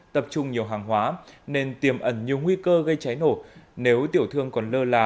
tập trung nhiều hàng hóa nên tiềm ẩn nhiều nguy cơ gây cháy nổ nếu tiểu thương còn lơ là